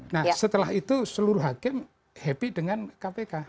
nah setelah itu seluruh hakim happy dengan kpk